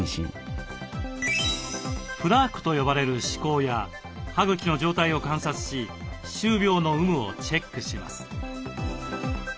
プラークと呼ばれる歯こうや歯茎の状態を観察し歯周病の有無をチェックします。